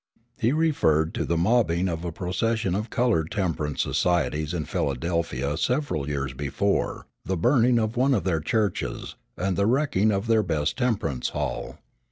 He referred to the mobbing of a procession of colored temperance societies in Philadelphia several years before, the burning of one of their churches, and the wrecking of their best temperance hall.